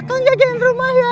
akang jagain rumah ya